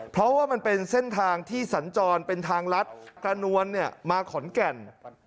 เพราะว่ามันเป็นเส้นทางที่สัญจรเป็นทางลัดกระนวลเนี่ยมาขอนแก่น